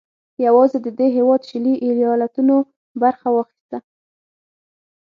یوازې د دې هېواد شلي ایالتونو برخه واخیسته.